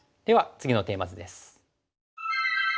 次のテーマ図です。